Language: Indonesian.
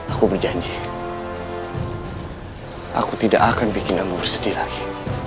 aku berjanji aku tidak akan bikin ibu bersedih lagi